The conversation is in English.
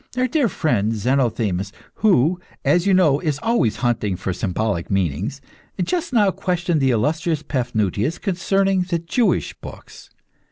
Our dear friend, Zenothemis, who, as you know, is always hunting for symbolic meanings, just now questioned the illustrious Paphnutius concerning the Jewish books.